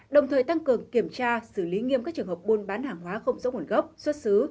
đồng thời tăng cường kiểm tra xử lý nghiêm các trường hợp buôn bán hàng hóa không rõ nguồn gốc xuất xứ